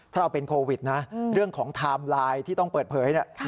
ถ้าเราเป็นโควิดนะเรื่องของไทม์ไลน์ที่ต้องเปิดเผยเนี่ย